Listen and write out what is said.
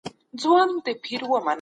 د علم رڼا تيارې له منځه وړي.